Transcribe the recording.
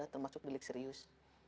termasuk delik serius